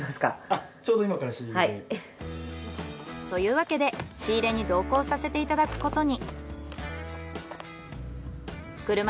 というわけで仕入れに同行させていただくことに。